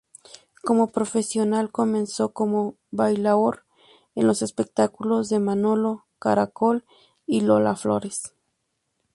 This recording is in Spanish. Como profesional, comenzó como bailaor en los espectáculos de Manolo Caracol y Lola Flores.